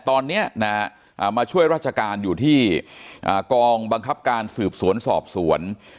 ตอนนี้มาช่วยราชการอยู่ที่กองบังคับการสืบสวนสอบสวน